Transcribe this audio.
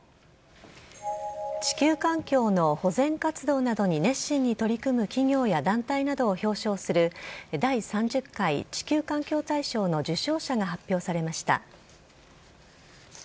地球環境の保全活動などに熱心に取り組む企業や団体などを表彰する、第３０回地球環境大賞の受賞者が発表されました。